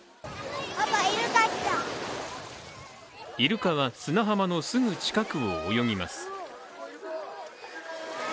イルカは砂浜のすぐ近くを泳ぎます。